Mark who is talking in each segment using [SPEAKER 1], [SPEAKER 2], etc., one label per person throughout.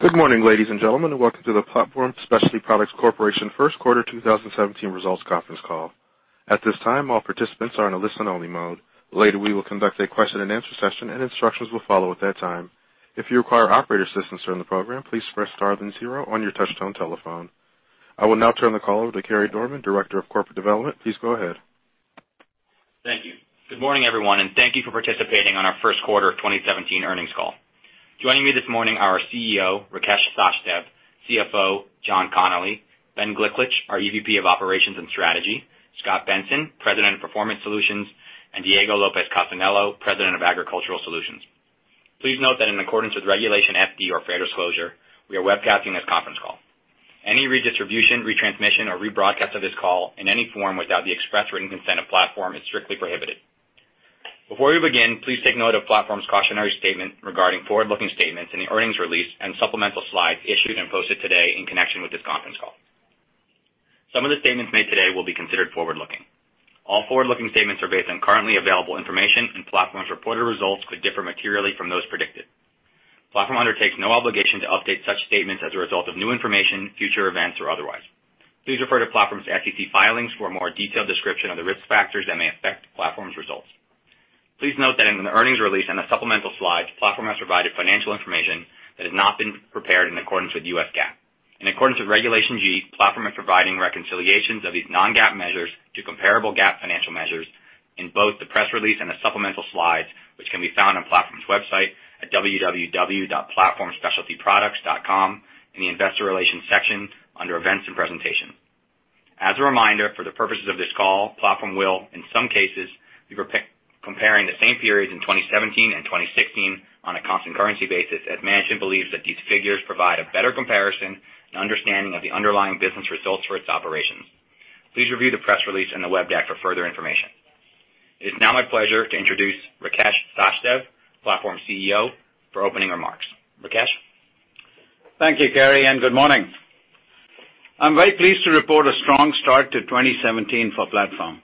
[SPEAKER 1] Good morning, ladies and gentlemen, and welcome to the Platform Specialty Products Corporation first quarter 2017 results conference call. At this time, all participants are in a listen-only mode. Later, we will conduct a question and answer session, and instructions will follow at that time. If you require operator assistance during the program, please press star then zero on your touch-tone telephone. I will now turn the call over to Carey Dorman, Director of Corporate Development. Please go ahead.
[SPEAKER 2] Thank you. Good morning, everyone, and thank you for participating on our first quarter of 2017 earnings call. Joining me this morning are our CEO, Rakesh Sachdev, CFO, John Connolly, Ben Gliklich, our EVP of Operations and Strategy, Scot Benson, President of Performance Solutions, and Diego Lopez Casanello, President of Agricultural Solutions. Please note that in accordance with Regulation FD, or fair disclosure, we are webcasting this conference call. Any redistribution, retransmission, or rebroadcast of this call in any form without the express written consent of Platform is strictly prohibited. Before we begin, please take note of Platform's cautionary statement regarding forward-looking statements in the earnings release and supplemental slides issued and posted today in connection with this conference call. Some of the statements made today will be considered forward-looking. All forward-looking statements are based on currently available information, and Platform's reported results could differ materially from those predicted. Platform undertakes no obligation to update such statements as a result of new information, future events, or otherwise. Please refer to Platform's SEC filings for a more detailed description of the risk factors that may affect Platform's results. Please note that in the earnings release and the supplemental slides, Platform has provided financial information that has not been prepared in accordance with U.S. GAAP. In accordance with Regulation G, Platform is providing reconciliations of these non-GAAP measures to comparable GAAP financial measures in both the press release and the supplemental slides, which can be found on Platform's website at www.platformspecialtyproducts.com in the investor relations section under events and presentations. As a reminder, for the purposes of this call, Platform will, in some cases, be comparing the same periods in 2017 and 2016 on a constant currency basis, as management believes that these figures provide a better comparison and understanding of the underlying business results for its operations. Please review the press release and the web deck for further information. It's now my pleasure to introduce Rakesh Sachdev, Platform's CEO, for opening remarks. Rakesh?
[SPEAKER 3] Thank you, Carey, and good morning. I'm very pleased to report a strong start to 2017 for Platform.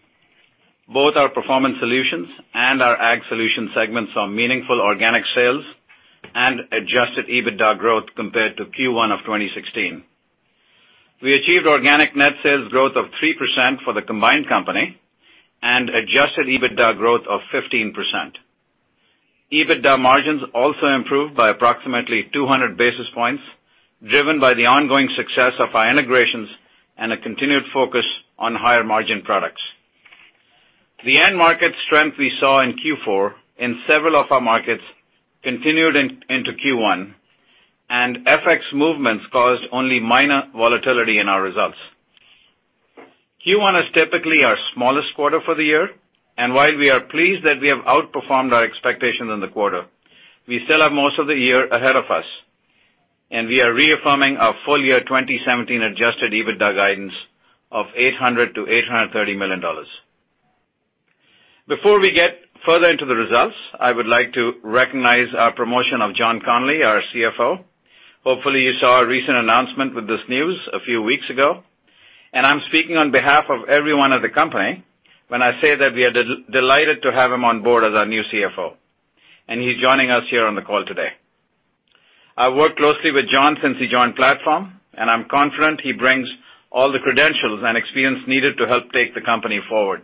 [SPEAKER 3] Both our Performance Solutions and our Ag Solutions segments saw meaningful organic sales and adjusted EBITDA growth compared to Q1 2016. We achieved organic net sales growth of 3% for the combined company and adjusted EBITDA growth of 15%. EBITDA margins also improved by approximately 200 basis points, driven by the ongoing success of our integrations and a continued focus on higher-margin products. The end market strength we saw in Q4 in several of our markets continued into Q1, and FX movements caused only minor volatility in our results. Q1 is typically our smallest quarter for the year. While we are pleased that we have outperformed our expectations in the quarter, we still have most of the year ahead of us. We are reaffirming our full year 2017 adjusted EBITDA guidance of $800 million-$830 million. Before we get further into the results, I would like to recognize our promotion of John Connolly, our CFO. Hopefully, you saw our recent announcement with this news a few weeks ago. I'm speaking on behalf of everyone at the company when I say that we are delighted to have him on board as our new CFO. He's joining us here on the call today. I worked closely with John since he joined Platform, and I'm confident he brings all the credentials and experience needed to help take the company forward.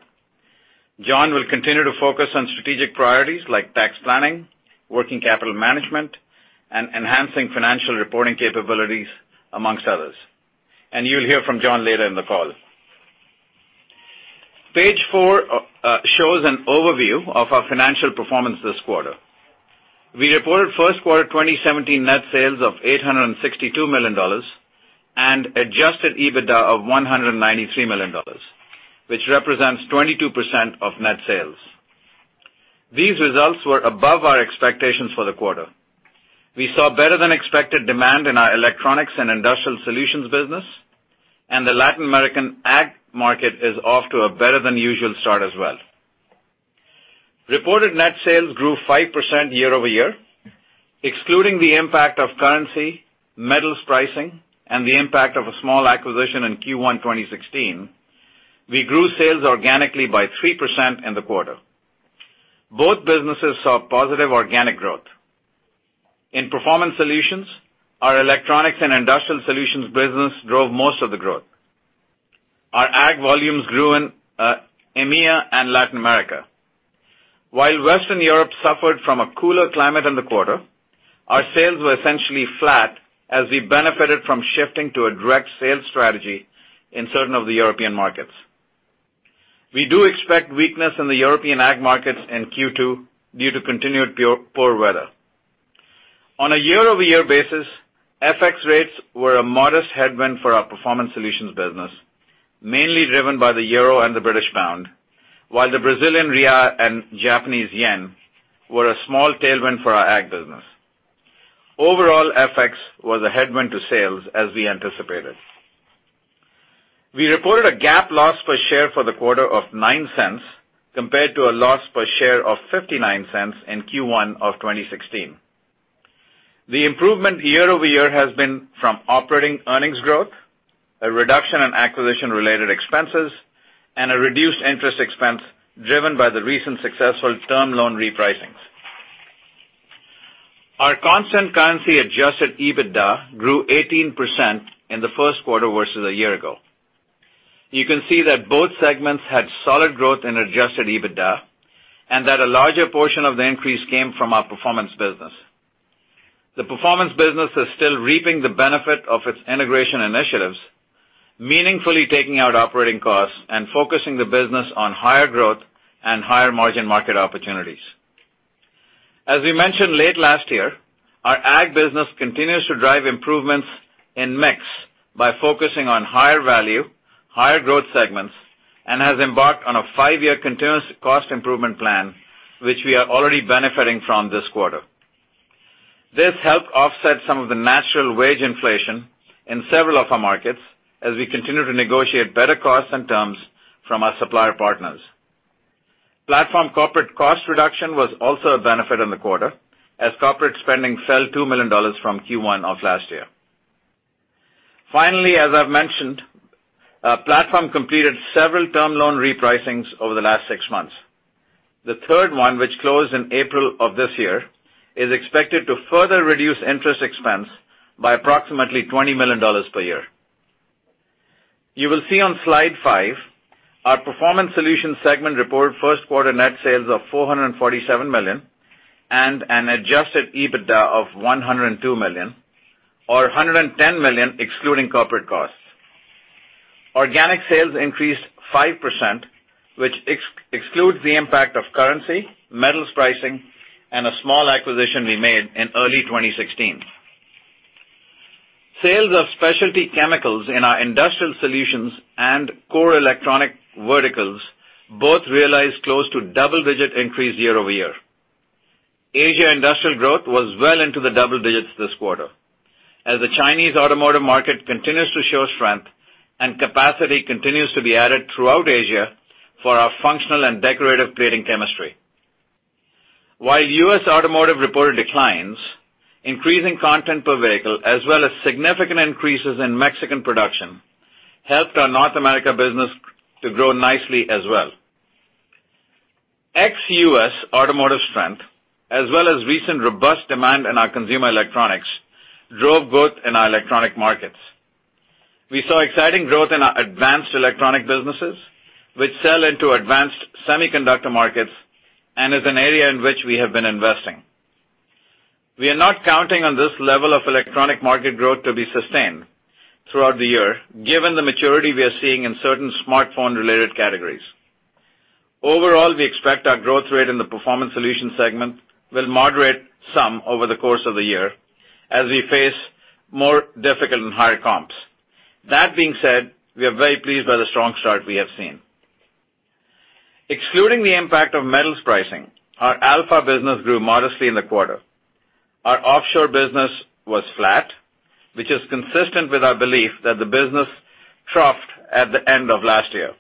[SPEAKER 3] John will continue to focus on strategic priorities like tax planning, working capital management, and enhancing financial reporting capabilities, amongst others. You'll hear from John later in the call. Page four shows an overview of our financial performance this quarter. We reported first quarter 2017 net sales of $862 million and adjusted EBITDA of $193 million, which represents 22% of net sales. These results were above our expectations for the quarter. We saw better-than-expected demand in our Electronics and Industrial Solutions business, and the Latin American Ag market is off to a better-than-usual start as well. Reported net sales grew 5% year-over-year. Excluding the impact of currency, metals pricing, and the impact of a small acquisition in Q1 2016, we grew sales organically by 3% in the quarter. Both businesses saw positive organic growth. In Performance Solutions, our Electronics and Industrial Solutions business drove most of the growth. Our Ag volumes grew in EMEA and Latin America. While Western Europe suffered from a cooler climate in the quarter, our sales were essentially flat as we benefited from shifting to a direct sales strategy in certain of the European markets. We do expect weakness in the European Ag markets in Q2 due to continued poor weather. On a year-over-year basis, FX rates were a modest headwind for our Performance Solutions business, mainly driven by the euro and the British pound, while the Brazilian real and Japanese yen were a small tailwind for our Ag business. Overall, FX was a headwind to sales, as we anticipated. We reported a GAAP loss per share for the quarter of $0.09 compared to a loss per share of $0.59 in Q1 2016. The improvement year-over-year has been from operating earnings growth, a reduction in acquisition-related expenses and a reduced interest expense driven by the recent successful term loan repricings. Our constant currency adjusted EBITDA grew 18% in the first quarter versus a year ago. You can see that both segments had solid growth in adjusted EBITDA, and that a larger portion of the increase came from our performance business. The performance business is still reaping the benefit of its integration initiatives, meaningfully taking out operating costs and focusing the business on higher growth and higher margin market opportunities. As we mentioned late last year, our ag business continues to drive improvements in mix by focusing on higher value, higher growth segments, and has embarked on a five-year continuous cost improvement plan, which we are already benefiting from this quarter. This helped offset some of the natural wage inflation in several of our markets as we continue to negotiate better costs and terms from our supplier partners. Platform corporate cost reduction was also a benefit in the quarter, as corporate spending fell $2 million from Q1 of last year. Finally, as I've mentioned, Platform completed several term loan repricings over the last six months. The third one, which closed in April of this year, is expected to further reduce interest expense by approximately $20 million per year. You will see on slide five, our Performance Solutions segment report first quarter net sales of $447 million and an adjusted EBITDA of $102 million or $110 million, excluding corporate costs. Organic sales increased 5%, which excludes the impact of currency, metals pricing, and a small acquisition we made in early 2016. Sales of specialty chemicals in our industrial solutions and core electronic verticals both realized close to double-digit increase year-over-year. Asia industrial growth was well into the double digits this quarter, as the Chinese automotive market continues to show strength and capacity continues to be added throughout Asia for our functional and decorative plating chemistry. While U.S. automotive reported declines, increasing content per vehicle, as well as significant increases in Mexican production, helped our North America business to grow nicely as well. Ex-U.S. automotive strength, as well as recent robust demand in our consumer electronics, drove growth in our electronic markets. We saw exciting growth in our advanced electronic businesses, which sell into advanced semiconductor markets and is an area in which we have been investing. We are not counting on this level of electronic market growth to be sustained throughout the year, given the maturity we are seeing in certain smartphone-related categories. Overall, we expect our growth rate in the Performance Solutions segment will moderate some over the course of the year as we face more difficult and higher comps. That being said, we are very pleased by the strong start we have seen. Excluding the impact of metals pricing, our Alpha business grew modestly in the quarter. Our offshore business was flat, which is consistent with our belief that the business troughed at the end of last year.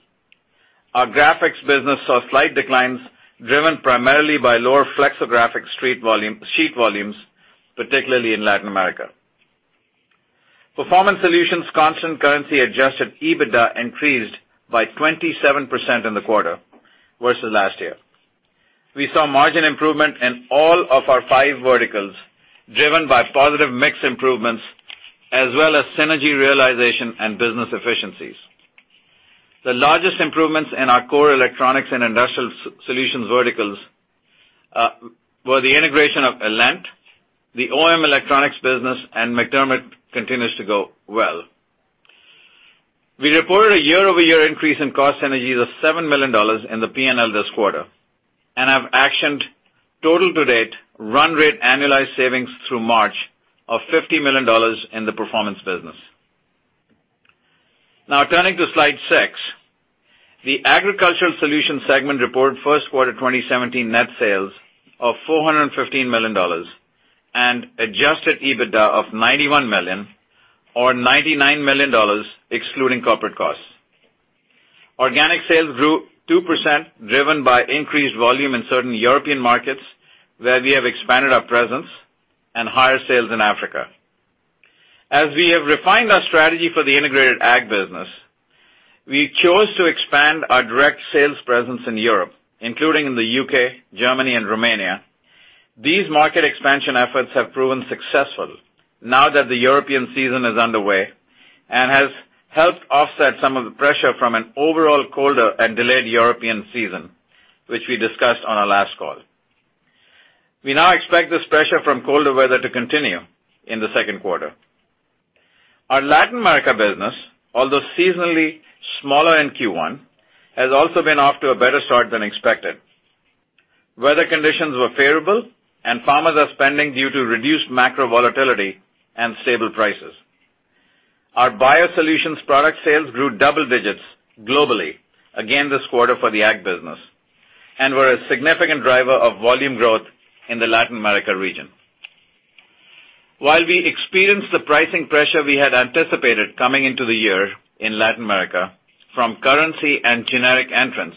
[SPEAKER 3] Our graphics business saw slight declines, driven primarily by lower flexographic sheet volumes, particularly in Latin America. Performance Solutions' constant currency adjusted EBITDA increased by 27% in the quarter versus last year. We saw margin improvement in all of our five verticals, driven by positive mix improvements as well as synergy realization and business efficiencies. The largest improvements in our core Electronics and Industrial & Specialty verticals were the integration of Alent, the OM Group Electronics business, and MacDermid continues to go well. We reported a year-over-year increase in cost synergies of $7 million in the P&L this quarter, and have actioned total to date run rate annualized savings through March of $50 million in the Performance Solutions business. Turning to slide six, the Agricultural Solutions segment reported first quarter 2017 net sales of $415 million and adjusted EBITDA of $91 million or $99 million, excluding corporate costs. Organic sales grew 2%, driven by increased volume in certain European markets where we have expanded our presence and higher sales in Africa. As we have refined our strategy for the integrated Ag business, we chose to expand our direct sales presence in Europe, including in the U.K., Germany, and Romania. These market expansion efforts have proven successful now that the European season is underway and has helped offset some of the pressure from an overall colder and delayed European season, which we discussed on our last call. We now expect this pressure from colder weather to continue in the second quarter. Our Latin America business, although seasonally smaller in Q1, has also been off to a better start than expected. Weather conditions were favorable, and farmers are spending due to reduced macro volatility and stable prices. Our biosolutions product sales grew double digits globally again this quarter for the Ag business and were a significant driver of volume growth in the Latin America region. While we experienced the pricing pressure we had anticipated coming into the year in Latin America from currency and generic entrants,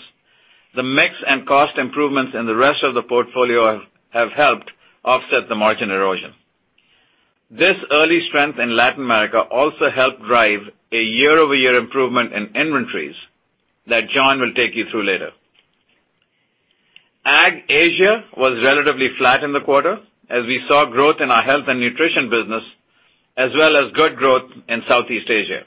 [SPEAKER 3] the mix and cost improvements in the rest of the portfolio have helped offset the margin erosion. This early strength in Latin America also helped drive a year-over-year improvement in inventories that John will take you through later. Ag Asia was relatively flat in the quarter, as we saw growth in our health and nutrition business, as well as good growth in Southeast Asia.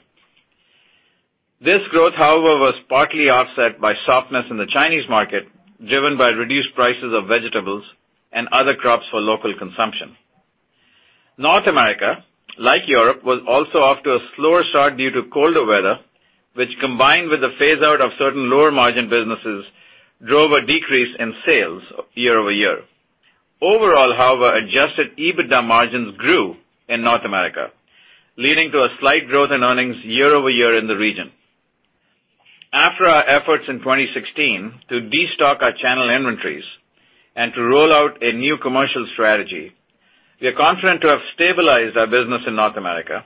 [SPEAKER 3] This growth, however, was partly offset by softness in the Chinese market, driven by reduced prices of vegetables and other crops for local consumption. North America, like Europe, was also off to a slower start due to colder weather, which, combined with the phase-out of certain lower-margin businesses, drove a decrease in sales year-over-year. Overall, however, adjusted EBITDA margins grew in North America, leading to a slight growth in earnings year-over-year in the region. After our efforts in 2016 to destock our channel inventories and to roll out a new commercial strategy, we are confident to have stabilized our business in North America,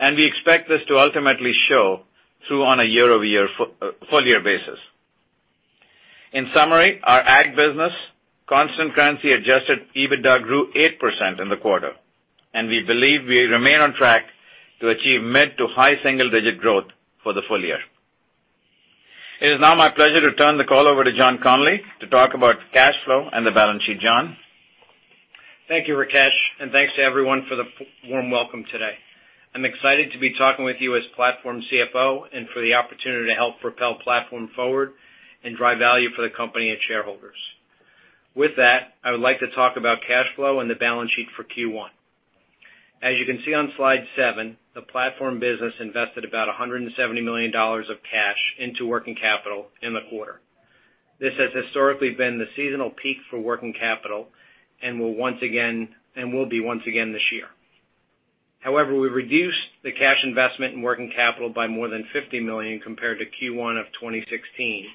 [SPEAKER 3] and we expect this to ultimately show through on a year-over-year full year basis. In summary, our Ag business constant currency adjusted EBITDA grew 8% in the quarter, and we believe we remain on track to achieve mid to high single-digit growth for the full year. It is now my pleasure to turn the call over to John Connolly to talk about cash flow and the balance sheet. John?
[SPEAKER 4] Thank you, Rakesh, and thanks to everyone for the warm welcome today. I'm excited to be talking with you as Platform CFO and for the opportunity to help propel Platform forward and drive value for the company and shareholders. With that, I would like to talk about cash flow and the balance sheet for Q1. As you can see on slide seven, the Platform business invested about $170 million of cash into working capital in the quarter. This has historically been the seasonal peak for working capital and will be once again this year. However, we reduced the cash investment in working capital by more than $50 million compared to Q1 of 2016,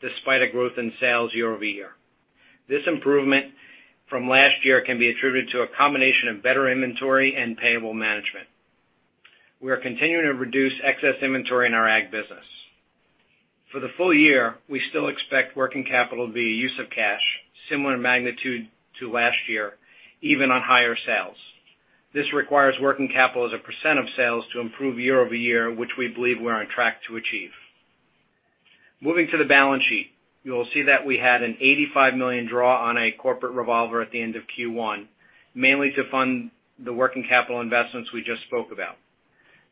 [SPEAKER 4] despite a growth in sales year-over-year. This improvement from last year can be attributed to a combination of better inventory and payable management. We are continuing to reduce excess inventory in our Ag business. For the full year, we still expect working capital to be a use of cash similar in magnitude to last year, even on higher sales. This requires working capital as a percent of sales to improve year-over-year, which we believe we're on track to achieve. Moving to the balance sheet. You will see that we had an $85 million draw on a corporate revolver at the end of Q1, mainly to fund the working capital investments we just spoke about.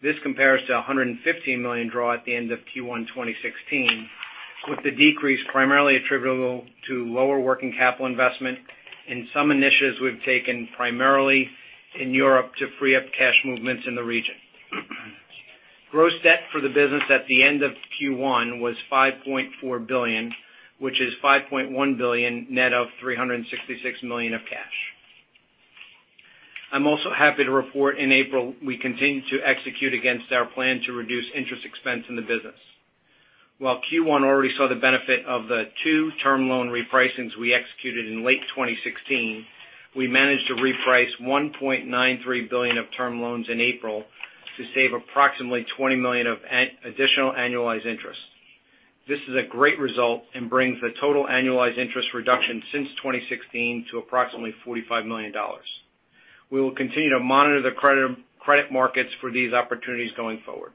[SPEAKER 4] This compares to $115 million draw at the end of Q1 2016, with the decrease primarily attributable to lower working capital investment and some initiatives we've taken primarily in Europe to free up cash movements in the region. Gross debt for the business at the end of Q1 was $5.4 billion, which is $5.1 billion net of $366 million of cash. I'm also happy to report in April, we continued to execute against our plan to reduce interest expense in the business. While Q1 already saw the benefit of the two term loan repricings we executed in late 2016, we managed to reprice $1.93 billion of term loans in April to save approximately $20 million of additional annualized interest. This is a great result and brings the total annualized interest reduction since 2016 to approximately $45 million. We will continue to monitor the credit markets for these opportunities going forward.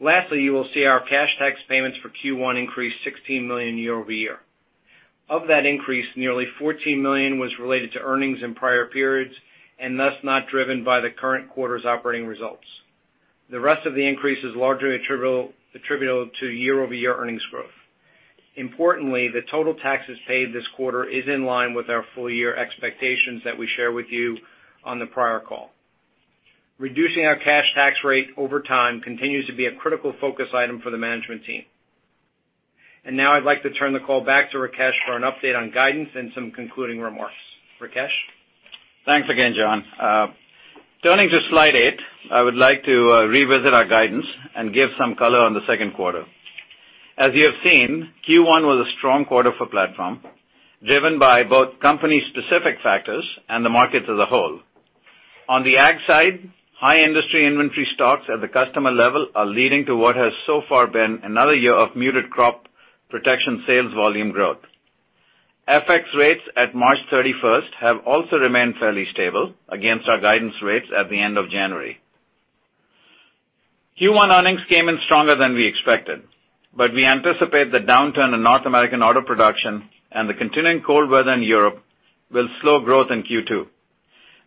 [SPEAKER 4] Lastly, you will see our cash tax payments for Q1 increased $16 million year-over-year. Of that increase, nearly $14 million was related to earnings in prior periods and thus not driven by the current quarter's operating results. The rest of the increase is largely attributable to year-over-year earnings growth. Importantly, the total taxes paid this quarter is in line with our full-year expectations that we shared with you on the prior call. Reducing our cash tax rate over time continues to be a critical focus item for the management team. Now I'd like to turn the call back to Rakesh for an update on guidance and some concluding remarks. Rakesh?
[SPEAKER 3] Thanks again, John. Turning to slide eight, I would like to revisit our guidance and give some color on the second quarter. As you have seen, Q1 was a strong quarter for Platform, driven by both company-specific factors and the markets as a whole. On the Ag side, high industry inventory stocks at the customer level are leading to what has so far been another year of muted crop protection sales volume growth. FX rates at March 31st have also remained fairly stable against our guidance rates at the end of January. Q1 earnings came in stronger than we expected. We anticipate the downturn in North American auto production and the continuing cold weather in Europe will slow growth in Q2.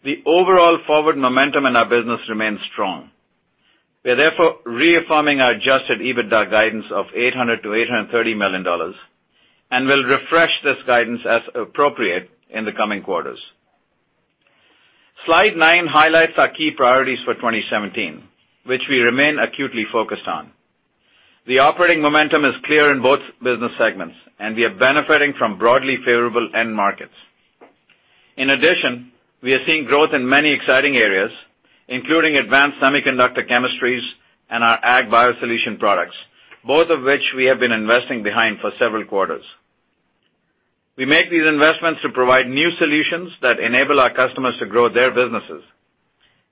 [SPEAKER 3] The overall forward momentum in our business remains strong. We are therefore reaffirming our adjusted EBITDA guidance of $800 million to $830 million and will refresh this guidance as appropriate in the coming quarters. Slide nine highlights our key priorities for 2017, which we remain acutely focused on. The operating momentum is clear in both business segments. We are benefiting from broadly favorable end markets. In addition, we are seeing growth in many exciting areas, including advanced semiconductor chemistries and our Ag biosolution products, both of which we have been investing behind for several quarters. We make these investments to provide new solutions that enable our customers to grow their businesses.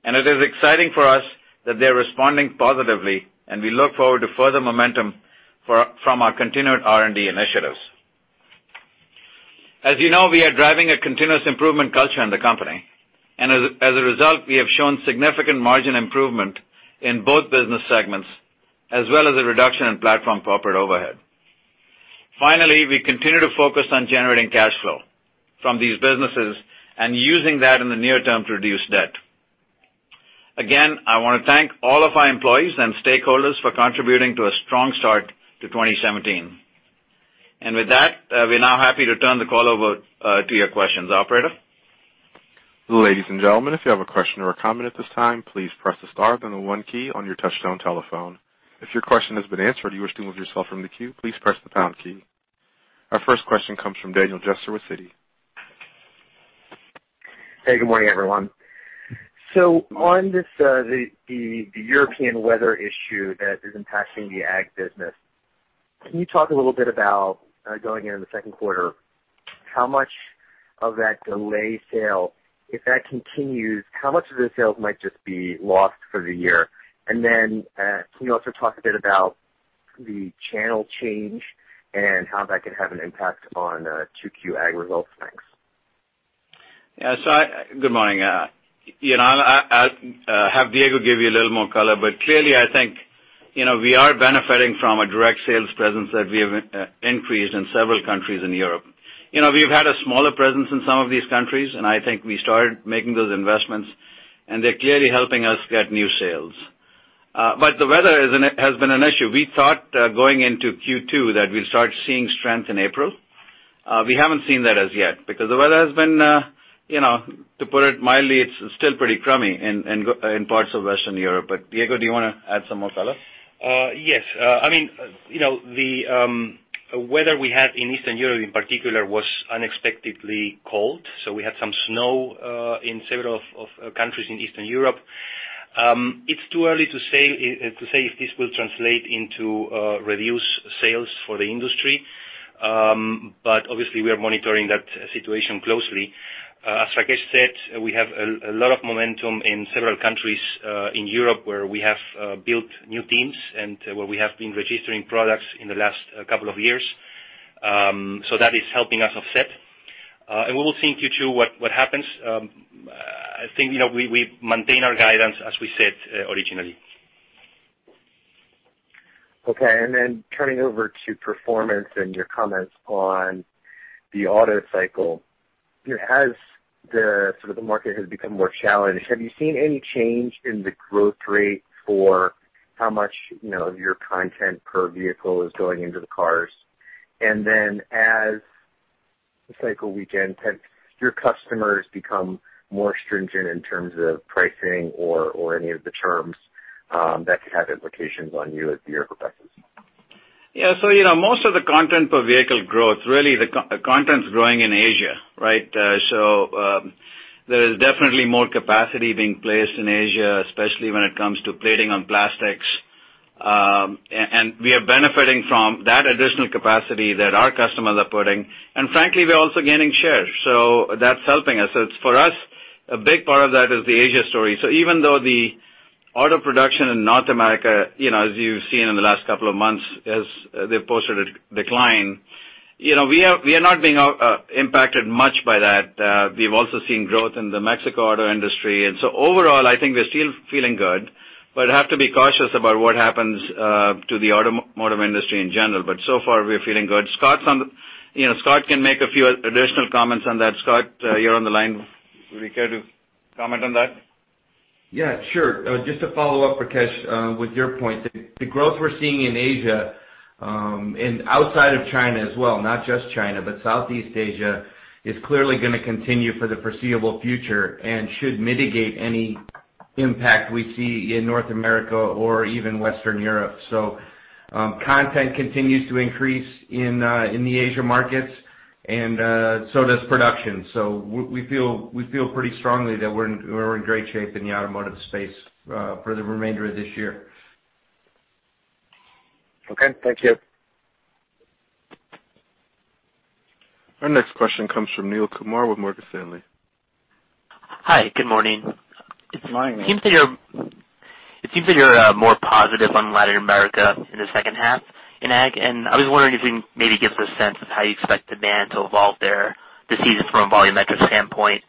[SPEAKER 3] It is exciting for us that they're responding positively, and we look forward to further momentum from our continued R&D initiatives. As you know, we are driving a continuous improvement culture in the company. As a result, we have shown significant margin improvement in both business segments, as well as a reduction in Platform corporate overhead. Finally, we continue to focus on generating cash flow from these businesses and using that in the near term to reduce debt. Again, I want to thank all of our employees and stakeholders for contributing to a strong start to 2017. With that, we're now happy to turn the call over to your questions. Operator?
[SPEAKER 1] Ladies and gentlemen, if you have a question or a comment at this time, please press the star then the one key on your touchtone telephone. If your question has been answered or you wish to remove yourself from the queue, please press the pound key. Our first question comes from Daniel Jester with Citi.
[SPEAKER 5] Hey, good morning, everyone. On the European weather issue that is impacting the ag business, can you talk a little bit about, going into the second quarter, how much of that delay sale, if that continues, how much of the sales might just be lost for the year? Can you also talk a bit about the channel change and how that could have an impact on 2Q ag results? Thanks.
[SPEAKER 3] Yeah. Good morning. I'll have Diego give you a little more color, clearly, I think, we are benefiting from a direct sales presence that we have increased in several countries in Europe. We've had a smaller presence in some of these countries, I think we started making those investments, they're clearly helping us get new sales. The weather has been an issue. We thought, going into Q2, that we'd start seeing strength in April. We haven't seen that as yet because the weather has been, to put it mildly, it's still pretty crummy in parts of Western Europe. Diego, do you want to add some more color?
[SPEAKER 6] Yes. The weather we had in Eastern Europe in particular was unexpectedly cold, we had some snow in several countries in Eastern Europe. It's too early to say if this will translate into reduced sales for the industry. Obviously, we are monitoring that situation closely. As Rakesh said, we have a lot of momentum in several countries in Europe where we have built new teams and where we have been registering products in the last couple of years. That is helping us offset. We will see in Q2 what happens. I think, we maintain our guidance as we said originally.
[SPEAKER 5] Okay. Turning over to performance and your comments on the auto cycle. As the market has become more challenged, have you seen any change in the growth rate for how much of your content per vehicle is going into the cars? As the cycle weakens, have your customers become more stringent in terms of pricing or any of the terms that could have implications on you as your perspectives?
[SPEAKER 3] Yeah. Most of the content per vehicle growth, really the content's growing in Asia, right? There is definitely more capacity being placed in Asia, especially when it comes to plating on plastics. We are benefiting from that additional capacity that our customers are putting, and frankly, we are also gaining share. That's helping us. For us, a big part of that is the Asia story. Even though the auto production in North America, as you've seen in the last couple of months, they've posted a decline. We are not being impacted much by that. We've also seen growth in the Mexico auto industry. Overall, I think we're still feeling good, but have to be cautious about what happens to the automotive industry in general. So far, we're feeling good. Scot can make a few additional comments on that. Scot, you're on the line. Would you care to comment on that?
[SPEAKER 7] Yeah, sure. Just to follow up, Rakesh, with your point. The growth we're seeing in Asia, and outside of China as well, not just China, but Southeast Asia, is clearly going to continue for the foreseeable future and should mitigate any impact we see in North America or even Western Europe. Content continues to increase in the Asia markets and so does production. We feel pretty strongly that we're in great shape in the automotive space for the remainder of this year.
[SPEAKER 5] Okay. Thank you.
[SPEAKER 1] Our next question comes from Neel Kumar with Morgan Stanley.
[SPEAKER 8] Hi. Good morning.
[SPEAKER 3] Good morning.
[SPEAKER 8] It seems that you're more positive on Latin America in the second half in ag. I was wondering if you can maybe give us a sense of how you expect demand to evolve there this season from a volumetric standpoint,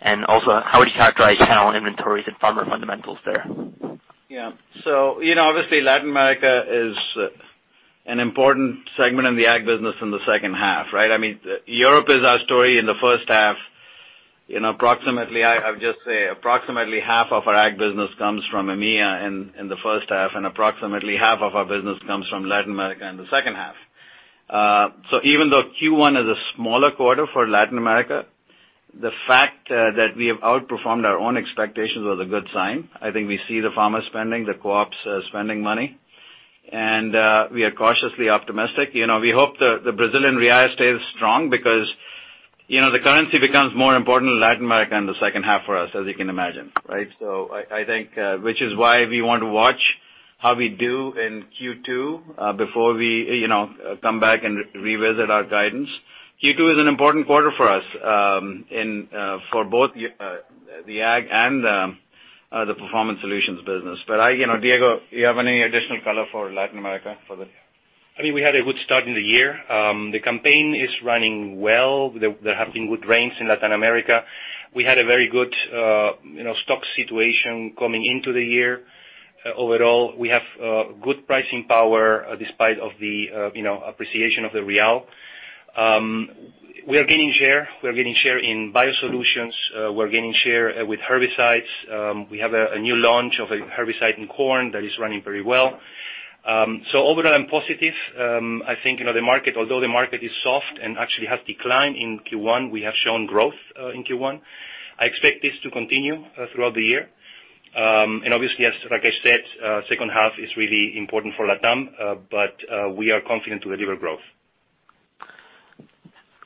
[SPEAKER 8] and also how would you characterize channel inventories and farmer fundamentals there?
[SPEAKER 3] Yeah. Obviously, Latin America is an important segment in the ag business in the second half, right? Europe is our story in the first half. I would just say approximately half of our ag business comes from EMEA in the first half, and approximately half of our business comes from Latin America in the second half. Even though Q1 is a smaller quarter for Latin America, the fact that we have outperformed our own expectations was a good sign. I think we see the farmers spending, the co-ops spending money, and we are cautiously optimistic. We hope the Brazilian real stays strong. The currency becomes more important in Latin America in the second half for us, as you can imagine. I think which is why we want to watch how we do in Q2 before we come back and revisit our guidance. Q2 is an important quarter for us for both the ag and the Performance Solutions business. Diego, you have any additional color for Latin America for this?
[SPEAKER 6] We had a good start in the year. The campaign is running well. There have been good rains in Latin America. We had a very good stock situation coming into the year. Overall, we have good pricing power despite of the appreciation of the real. We are gaining share. We are gaining share in biosolutions. We are gaining share with herbicides. We have a new launch of a herbicide in corn that is running very well. Overall, I'm positive. Although the market is soft and actually has declined in Q1, we have shown growth in Q1. I expect this to continue throughout the year. Obviously, like I said, second half is really important for LATAM, we are confident to deliver growth.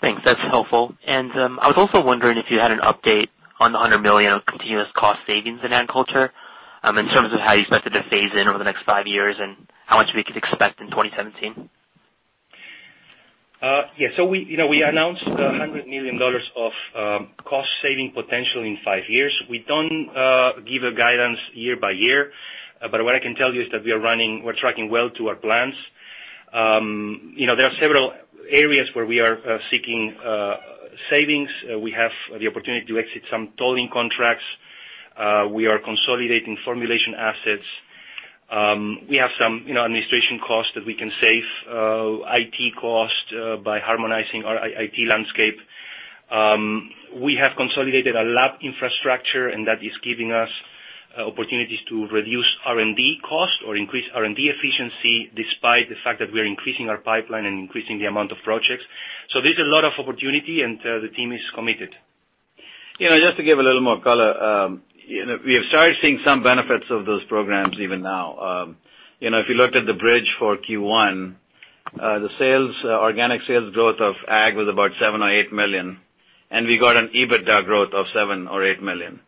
[SPEAKER 8] Thanks. That's helpful. I was also wondering if you had an update on the $100 million of continuous cost savings in Agricultural Solutions, in terms of how you expect it to phase in over the next five years and how much we could expect in 2017.
[SPEAKER 6] Yes. We announced $100 million of cost-saving potential in 5 years. We don't give a guidance year-by-year, but what I can tell you is that we are tracking well to our plans. There are several areas where we are seeking savings. We have the opportunity to exit some tolling contracts. We are consolidating formulation assets. We have some administration costs that we can save, IT costs by harmonizing our IT landscape. We have consolidated our lab infrastructure, and that is giving us opportunities to reduce R&D costs or increase R&D efficiency despite the fact that we are increasing our pipeline and increasing the amount of projects. There's a lot of opportunity, and the team is committed.
[SPEAKER 3] Just to give a little more color. We have started seeing some benefits of those programs even now. If you looked at the bridge for Q1, the organic sales growth of ag was about seven or eight million, and we got an EBITDA growth of seven or eight million.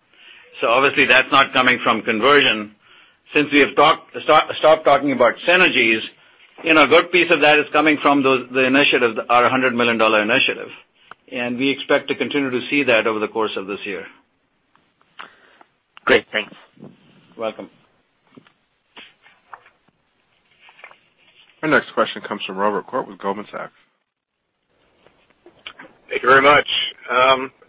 [SPEAKER 3] Obviously that's not coming from conversion. Since we have stopped talking about synergies, a good piece of that is coming from our $100 million initiative. We expect to continue to see that over the course of this year.
[SPEAKER 8] Great, thanks.
[SPEAKER 3] Welcome.
[SPEAKER 1] Our next question comes from Robert Koort with Goldman Sachs.
[SPEAKER 9] Thank you very much.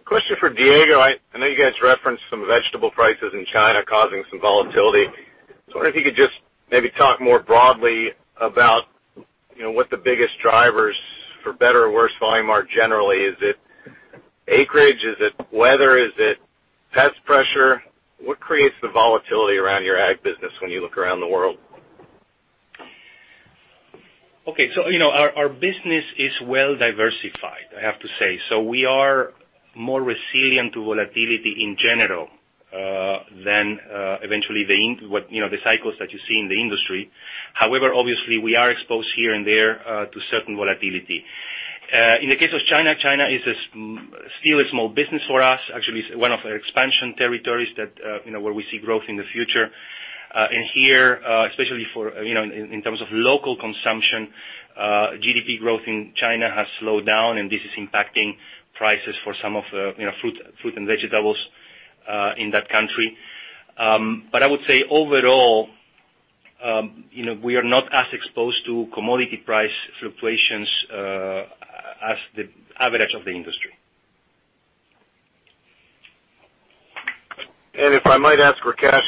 [SPEAKER 9] Question for Diego. I know you guys referenced some vegetable prices in China causing some volatility. I wonder if you could just maybe talk more broadly about what the biggest drivers for better or worse volume are generally. Is it acreage? Is it weather? Is it pest pressure? What creates the volatility around your ag business when you look around the world?
[SPEAKER 6] Okay. Our business is well diversified, I have to say. We are more resilient to volatility in general than eventually the cycles that you see in the industry. However, obviously, we are exposed here and there to certain volatility. In the case of China is still a small business for us, actually one of our expansion territories where we see growth in the future. Here, especially in terms of local consumption, GDP growth in China has slowed down, and this is impacting prices for some of the fruit and vegetables in that country. I would say overall, we are not as exposed to commodity price fluctuations as the average of the industry.
[SPEAKER 9] If I might ask, Rakesh,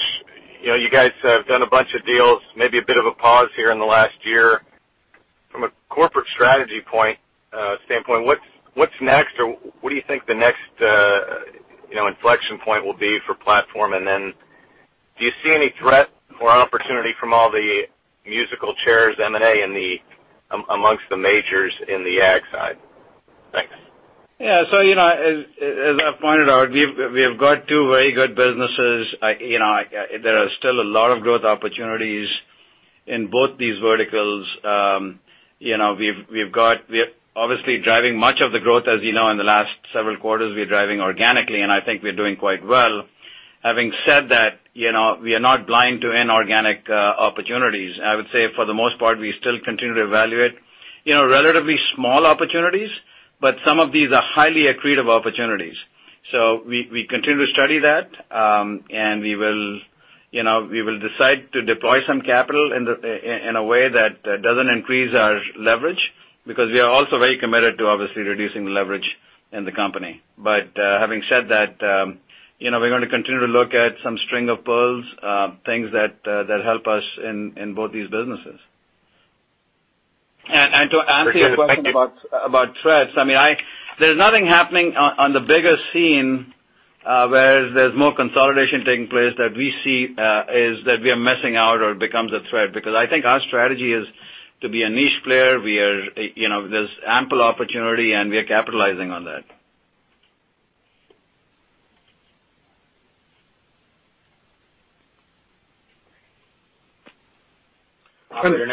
[SPEAKER 9] you guys have done a bunch of deals, maybe a bit of a pause here in the last year. From a corporate strategy standpoint, what's next or what do you think the next inflection point will be for Platform? Do you see any threat or opportunity from all the musical chairs M&A amongst the majors in the ag side? Thanks.
[SPEAKER 3] Yeah. As I pointed out, we've got two very good businesses. There are still a lot of growth opportunities in both these verticals. We are obviously driving much of the growth, as you know, in the last several quarters, we are driving organically, and I think we are doing quite well. Having said that, we are not blind to inorganic opportunities. I would say for the most part, we still continue to evaluate relatively small opportunities, but some of these are highly accretive opportunities. We continue to study that, and we will decide to deploy some capital in a way that doesn't increase our leverage because we are also very committed to obviously reducing leverage in the company. Having said that, we're going to continue to look at some string of pearls, things that help us in both these businesses. To answer your question about threats, there is nothing happening on the bigger scene where there is more consolidation taking place that we see is that we are missing out or becomes a threat because I think our strategy is to be a niche player. There is ample opportunity, and we are capitalizing on that.
[SPEAKER 1] Our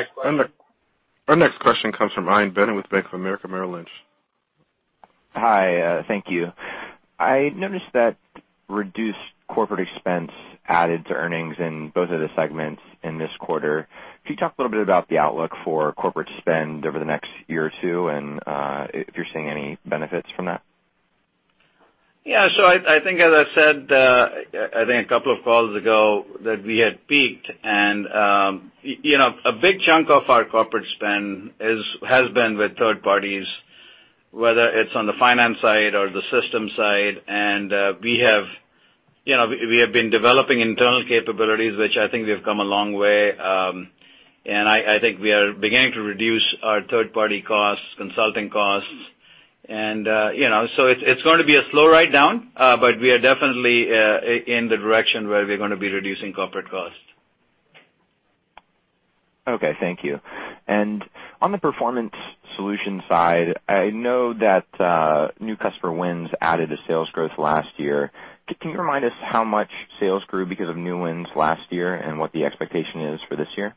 [SPEAKER 1] next question comes from Ian Bennett with Bank of America Merrill Lynch.
[SPEAKER 10] Hi, thank you. I noticed that reduced corporate expense added to earnings in both of the segments in this quarter. Could you talk a little bit about the outlook for corporate spend over the next year or two and if you're seeing any benefits from that?
[SPEAKER 3] Yeah. I think as I said, I think a couple of calls ago, that we had peaked. A big chunk of our corporate spend has been with third parties, whether it is on the finance side or the systems side. We have been developing internal capabilities, which I think we've come a long way. I think we are beginning to reduce our third-party costs, consulting costs. It is going to be a slow ride down, but we are definitely in the direction where we are going to be reducing corporate costs.
[SPEAKER 10] Okay, thank you. On the Performance Solutions side, I know that new customer wins added to sales growth last year. Can you remind us how much sales grew because of new wins last year and what the expectation is for this year?
[SPEAKER 3] Yeah.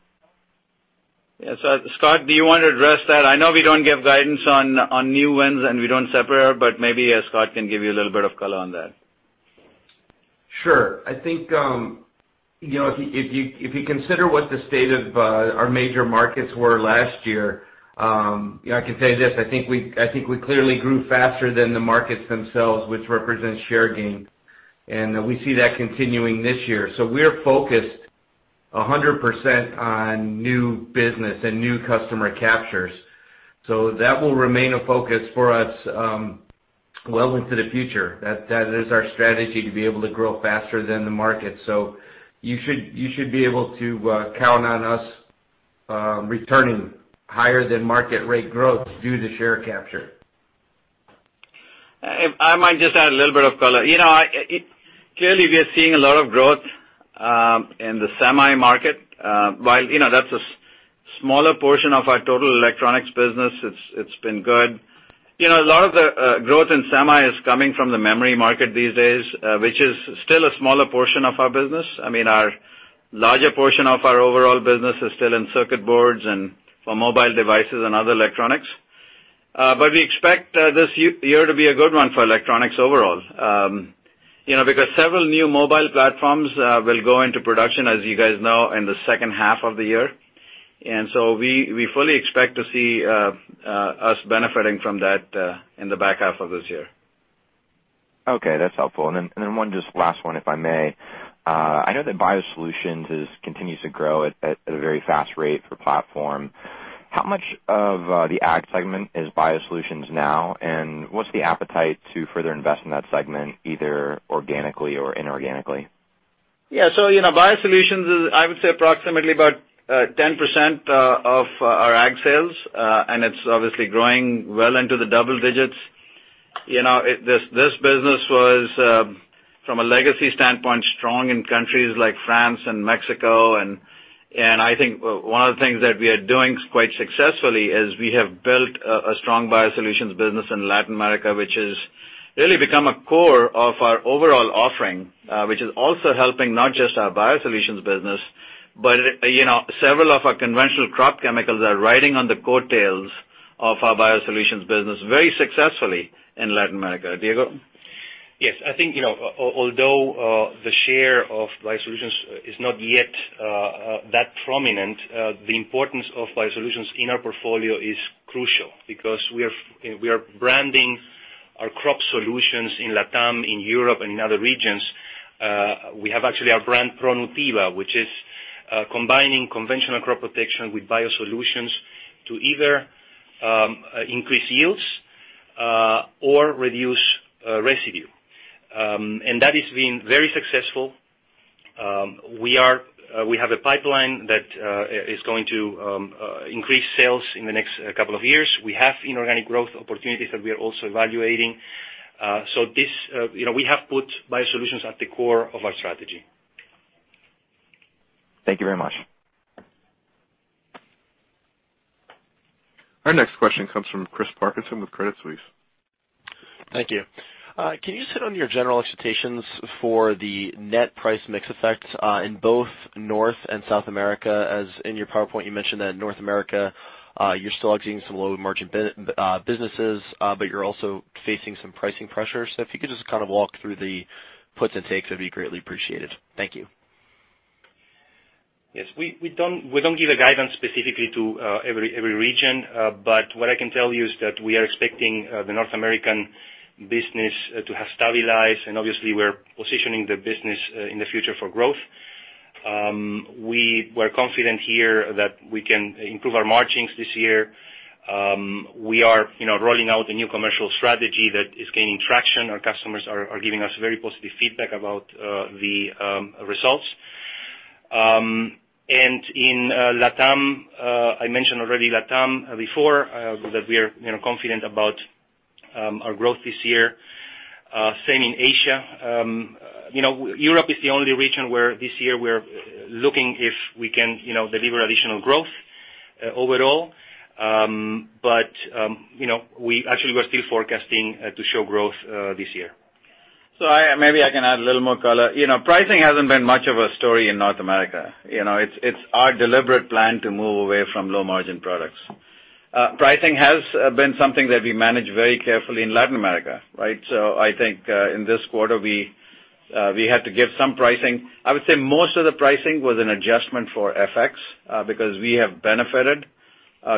[SPEAKER 3] Scot, do you want to address that? I know we don't give guidance on new wins and we don't separate, maybe Scot can give you a little bit of color on that.
[SPEAKER 7] Sure. I think if you consider what the state of our major markets were last year, I can say this, I think we clearly grew faster than the markets themselves, which represents share gain. We see that continuing this year. We're focused 100% on new business and new customer captures. That will remain a focus for us well into the future. That is our strategy to be able to grow faster than the market. You should be able to count on us returning higher than market rate growth due to share capture.
[SPEAKER 3] I might just add a little bit of color. Clearly, we are seeing a lot of growth in the semi market. While that's a smaller portion of our total electronics business, it's been good. A lot of the growth in semi is coming from the memory market these days, which is still a smaller portion of our business. Our larger portion of our overall business is still in circuit boards and for mobile devices and other electronics. We expect this year to be a good one for electronics overall, because several new mobile platforms will go into production, as you guys know, in the second half of the year. We fully expect to see us benefiting from that in the back half of this year.
[SPEAKER 10] Okay, that's helpful. Just last one, if I may. I know that biosolutions continues to grow at a very fast rate for Platform. How much of the Ag segment is biosolutions now, and what's the appetite to further invest in that segment, either organically or inorganically?
[SPEAKER 3] Yeah. Biosolutions is, I would say, approximately about 10% of our Ag sales, and it's obviously growing well into the double digits. This business was, from a legacy standpoint, strong in countries like France and Mexico. I think one of the things that we are doing quite successfully is we have built a strong biosolutions business in Latin America, which has really become a core of our overall offering. Which is also helping not just our biosolutions business, but several of our conventional crop chemicals are riding on the coattails of our biosolutions business very successfully in Latin America. Diego?
[SPEAKER 6] Yes. I think although the share of biosolutions is not yet that prominent, the importance of biosolutions in our portfolio is crucial because we are branding our crop solutions in LatAm, in Europe and in other regions. We have actually our brand, ProNutiva, which is combining conventional crop protection with biosolutions to either increase yields or reduce residue. That has been very successful. We have a pipeline that is going to increase sales in the next couple of years. We have inorganic growth opportunities that we are also evaluating. We have put biosolutions at the core of our strategy.
[SPEAKER 10] Thank you very much.
[SPEAKER 1] Our next question comes from Chris Parkinson with Credit Suisse.
[SPEAKER 11] Thank you. Can you just hit on your general expectations for the net price mix effects in both North and South America? As in your PowerPoint, you mentioned that North America, you're still seeing some low margin businesses, but you're also facing some pricing pressures. If you could just kind of walk through the puts and takes, that'd be greatly appreciated. Thank you.
[SPEAKER 6] Yes. We don't give a guidance specifically to every region. What I can tell you is that we are expecting the North American business to have stabilized, and obviously we're positioning the business in the future for growth. We're confident here that we can improve our margins this year. We are rolling out a new commercial strategy that is gaining traction. Our customers are giving us very positive feedback about the results. In LatAm, I mentioned already LatAm before, that we are confident about our growth this year. Same in Asia. Europe is the only region where this year we're looking if we can deliver additional growth overall. We actually are still forecasting to show growth this year.
[SPEAKER 3] Maybe I can add a little more color. Pricing hasn't been much of a story in North America. It's our deliberate plan to move away from low-margin products. Pricing has been something that we manage very carefully in Latin America, right? I think, in this quarter, we had to give some pricing. I would say most of the pricing was an adjustment for FX, because we have benefited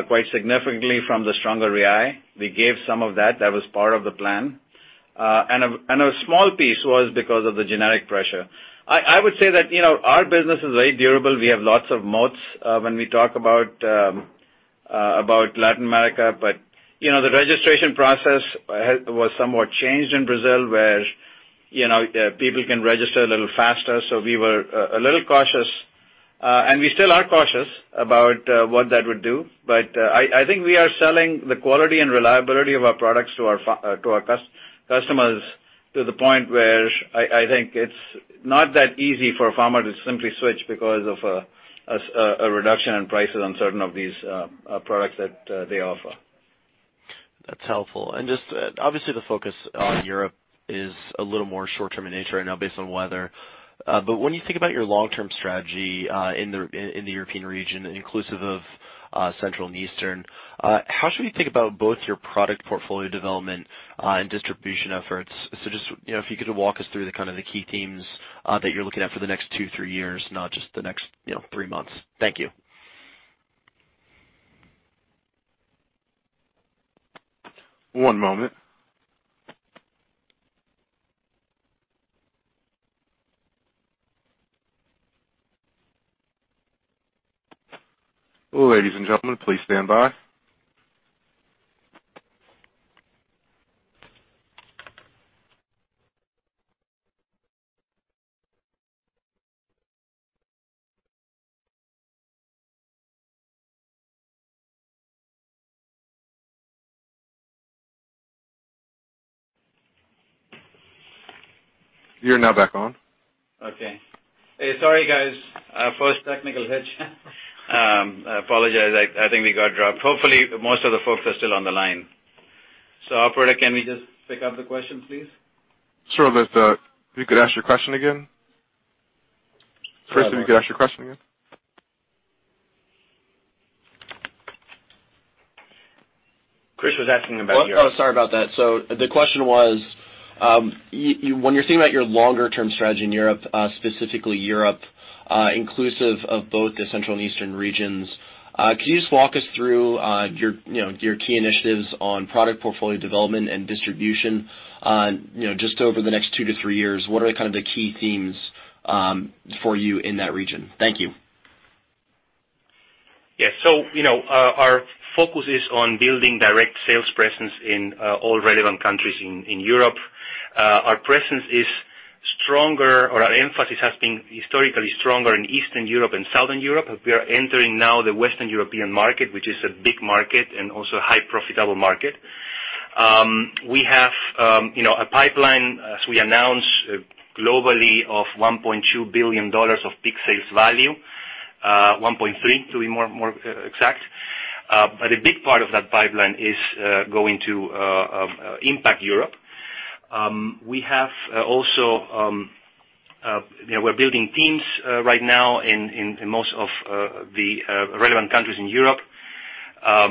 [SPEAKER 3] quite significantly from the stronger Real. We gave some of that was part of the plan. A small piece was because of the generic pressure. I would say that our business is very durable. We have lots of moats when we talk about Latin America. The registration process was somewhat changed in Brazil, where people can register a little faster. We were a little cautious, and we still are cautious about what that would do. I think we are selling the quality and reliability of our products to our customers to the point where I think it's not that easy for a farmer to simply switch because of a reduction in prices on certain of these products that they offer.
[SPEAKER 11] That's helpful. Just, obviously, the focus on Europe is a little more short-term in nature right now based on weather. When you think about your long-term strategy in the European region, inclusive of Central and Eastern, how should we think about both your product portfolio development and distribution efforts? Just, if you could walk us through the key themes that you're looking at for the next two, three years, not just the next three months. Thank you.
[SPEAKER 1] One moment. Ladies and gentlemen, please stand by. You're now back on.
[SPEAKER 3] Okay. Hey, sorry guys. Our first technical hitch. I apologize, I think we got dropped. Hopefully, most of the folks are still on the line. Operator, can we just pick up the questions, please?
[SPEAKER 1] Sure. If you could ask your question again. Chris, if you could ask your question again.
[SPEAKER 3] Chris was asking about your-
[SPEAKER 11] Oh, sorry about that. The question was, when you're thinking about your longer-term strategy in Europe, specifically Europe, inclusive of both the Central and Eastern regions, can you just walk us through your key initiatives on product portfolio development and distribution just over the next two to three years? What are the key themes for you in that region? Thank you.
[SPEAKER 6] Yes, our focus is on building direct sales presence in all relevant countries in Europe. Our presence is stronger or our emphasis has been historically stronger in Eastern Europe and Southern Europe. We are entering now the Western European market, which is a big market and also a high profitable market. We have a pipeline, as we announced globally, of $1.2 billion of peak sales value, $1.3 billion to be more exact. A big part of that pipeline is going to impact Europe. We're building teams right now in most of the relevant countries in Europe. I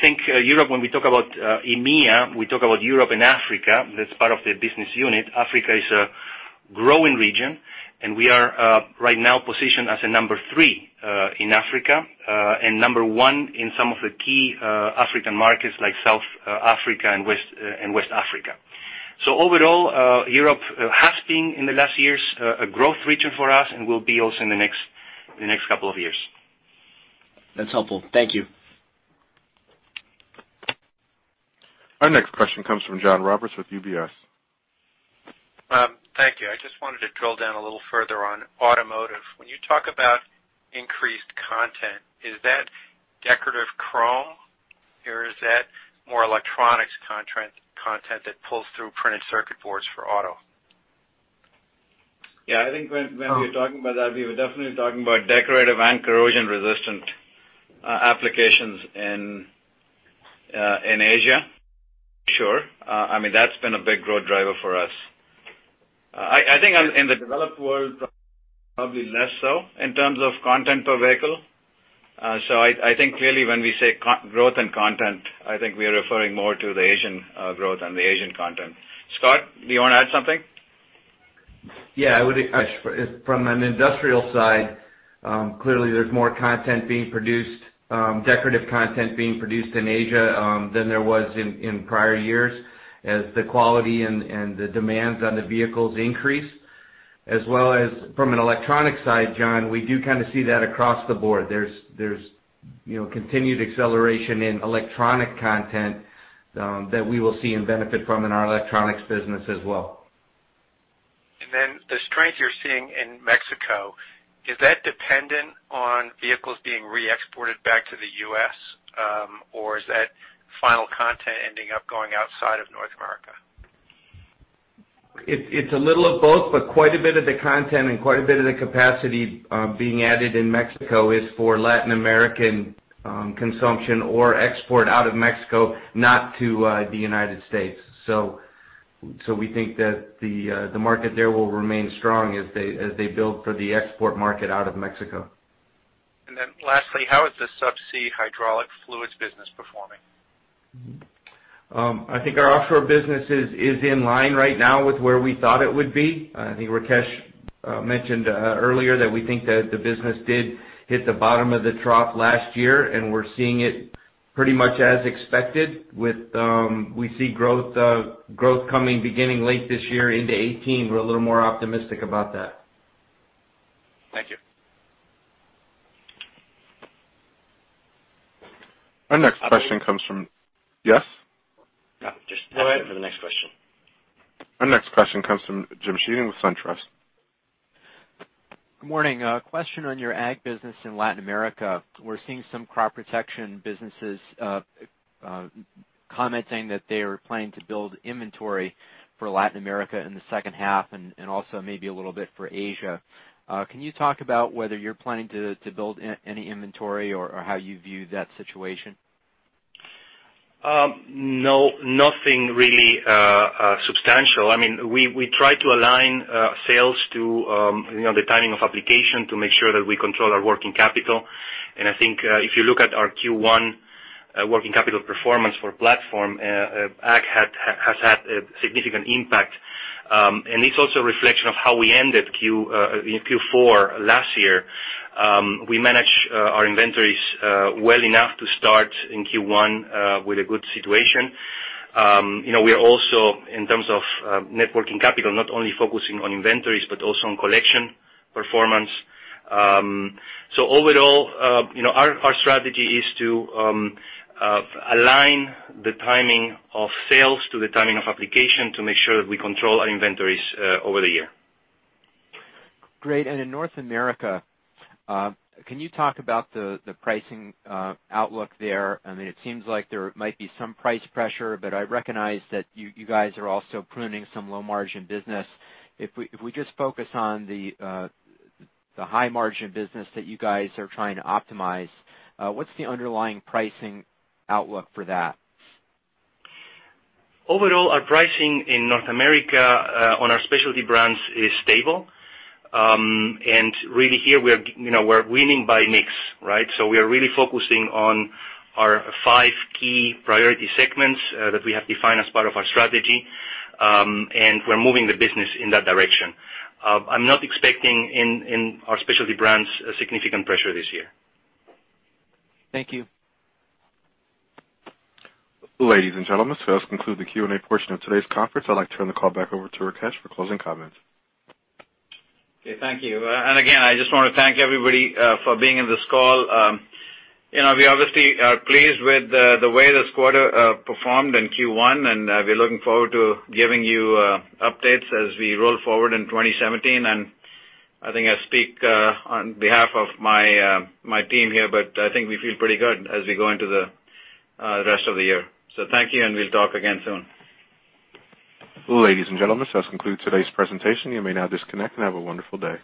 [SPEAKER 6] think Europe, when we talk about EMEA, we talk about Europe and Africa. That's part of the business unit. Africa is a growing region, and we are right now positioned as a number 3 in Africa. Number 1 in some of the key African markets like South Africa and West Africa. Overall, Europe has been, in the last years, a growth region for us and will be also in the next couple of years.
[SPEAKER 11] That's helpful. Thank you.
[SPEAKER 1] Our next question comes from John Roberts with UBS.
[SPEAKER 12] Thank you. I just wanted to drill down a little further on automotive. When you talk about increased content, is that decorative chrome, or is that more electronics content that pulls through printed circuit boards for auto?
[SPEAKER 3] Yeah, I think when we're talking about that, we were definitely talking about decorative and corrosion-resistant applications in Asia. Sure. That's been a big growth driver for us. I think in the developed world, probably less so in terms of content per vehicle. I think clearly when we say growth and content, I think we are referring more to the Asian growth and the Asian content. Scot, do you want to add something?
[SPEAKER 7] Yeah, I would. From an industrial side, clearly there's more decorative content being produced in Asia than there was in prior years as the quality and the demands on the vehicles increase. As well as from an electronic side, John, we do kind of see that across the board. There's continued acceleration in electronic content that we will see and benefit from in our electronics business as well.
[SPEAKER 12] The strength you're seeing in Mexico, is that dependent on vehicles being re-exported back to the U.S., or is that final content ending up going outside of North America?
[SPEAKER 7] It's a little of both, but quite a bit of the content and quite a bit of the capacity being added in Mexico is for Latin American Consumption or export out of Mexico, not to the United States. We think that the market there will remain strong as they build for the export market out of Mexico.
[SPEAKER 12] Lastly, how is the subsea hydraulic fluids business performing?
[SPEAKER 7] I think our offshore business is in line right now with where we thought it would be. I think Rakesh mentioned earlier that we think that the business did hit the bottom of the trough last year, and we're seeing it pretty much as expected. We see growth coming beginning late this year into 2018. We're a little more optimistic about that.
[SPEAKER 12] Thank you.
[SPEAKER 1] Our next question. Yes?
[SPEAKER 7] No, just waiting for the next question.
[SPEAKER 1] Our next question comes from Jim Sheehan with SunTrust.
[SPEAKER 13] Good morning. A question on your ag business in Latin America. We're seeing some crop protection businesses commenting that they are planning to build inventory for Latin America in the second half and also maybe a little bit for Asia. Can you talk about whether you're planning to build any inventory or how you view that situation?
[SPEAKER 6] No, nothing really substantial. We try to align sales to the timing of application to make sure that we control our working capital. I think if you look at our Q1 working capital performance for Platform, ag has had a significant impact. It's also a reflection of how we ended Q4 last year. We managed our inventories well enough to start in Q1 with a good situation. We are also, in terms of net working capital, not only focusing on inventories, but also on collection performance. Overall, our strategy is to align the timing of sales to the timing of application to make sure that we control our inventories over the year.
[SPEAKER 13] Great. In North America, can you talk about the pricing outlook there? It seems like there might be some price pressure, but I recognize that you guys are also pruning some low-margin business. If we just focus on the high-margin business that you guys are trying to optimize, what's the underlying pricing outlook for that?
[SPEAKER 6] Overall, our pricing in North America on our specialty brands is stable. Really here, we're winning by mix, right? We are really focusing on our five key priority segments that we have defined as part of our strategy, and we're moving the business in that direction. I'm not expecting in our specialty brands a significant pressure this year.
[SPEAKER 13] Thank you.
[SPEAKER 1] Ladies and gentlemen, this concludes the Q&A portion of today's conference. I'd like to turn the call back over to Rakesh for closing comments.
[SPEAKER 3] Okay, thank you. Again, I just want to thank everybody for being on this call. We obviously are pleased with the way this quarter performed in Q1, and we're looking forward to giving you updates as we roll forward in 2017. I think I speak on behalf of my team here, but I think we feel pretty good as we go into the rest of the year. Thank you, and we'll talk again soon.
[SPEAKER 1] Ladies and gentlemen, this concludes today's presentation. You may now disconnect, and have a wonderful day.